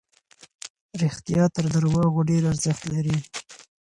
رښتیا تر درواغو ډېر ارزښت لري.